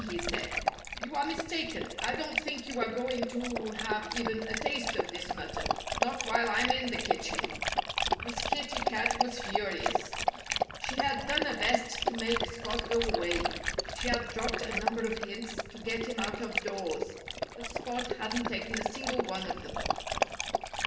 he said. "You are mistaken. I don't think you're going to have even a taste of this mutton not while I'm in the kitchen!" Miss Kitty Cat was furious. She had done her best to make Spot go away. She had dropped a number of hints to get him out of doors. But Spot hadn't taken a single one of them.